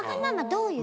どういう？